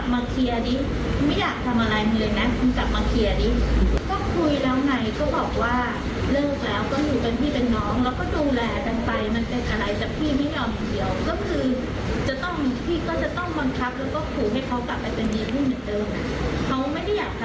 พี่ถึงเอาหนึ่งเดียวก็คือพี่คันจะต้องบังคักภูมิให้เธอกลับไปเป็นดีกว่างเดิม